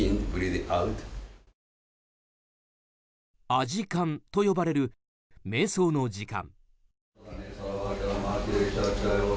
阿字観と呼ばれる瞑想の時間。